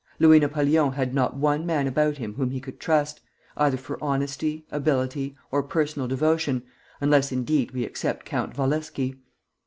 Louis Napoleon had not one man about him whom he could trust, either for honesty, ability, or personal devotion, unless, indeed, we except Count Walewski.